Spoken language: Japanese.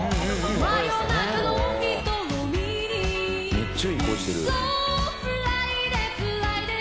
めっちゃいい声してる。